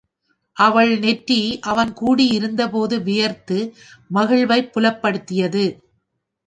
அவள் நெற்றி அவன் கூடி இருந்தபோது வியர்த்து மகிழ்வைப் புலப்படுத்தியது.